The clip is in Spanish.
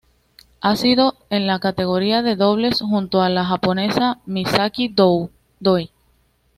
Ha sido en la categoría de dobles junto a la japonesa Misaki Doi.